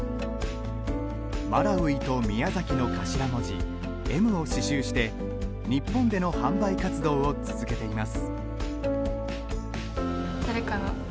マラウイと宮崎の頭文字Ｍを刺しゅうして日本での販売活動を続けています。